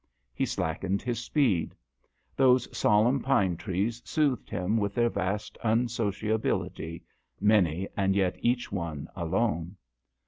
He slackened his speed. Those solemn pine trees soothed him with their vast unsociability many and yet each one alone.